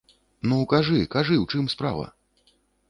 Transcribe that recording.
Ну, кажы, кажы, у чым справа?